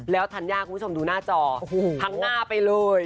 แล้วธัญญาคุณผู้ชมดูหน้าจอพังหน้าไปเลย